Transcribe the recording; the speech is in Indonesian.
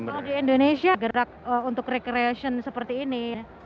kalau di indonesia gerak untuk recreation seperti ini